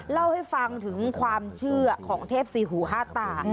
เล่าให้ฟังถึงความเชื่อของเทพสี่หูห้าตา